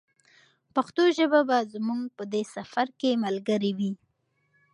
پښتو ژبه به زموږ په دې سفر کې ملګرې وي.